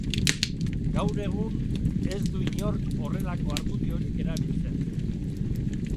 Gaur egun ez du inork horrelako argudiorik erabiltzen.